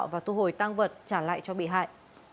và thu hồi tăng vật trả lại cho bị hại